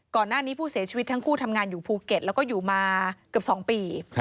ก่อนหน้านี้ผู้เสียชีวิตทั้งคู่ทำงานอยู่ภูเก็ตแล้วก็อยู่มาเกือบ๒ปี